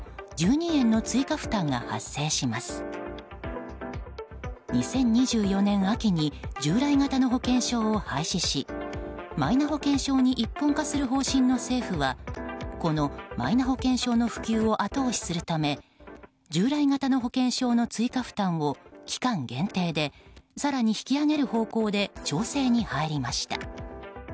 ２０２４年秋に従来型の保険証を廃止しマイナ保険証に一本化する方針の政府はこのマイナ保険証の普及を後押しするため従来型の保険証の追加負担を期間限定で更に引き上げる方向で調整に入りました。